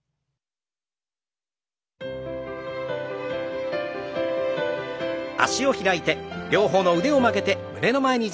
両方の腕を曲げて胸の前に。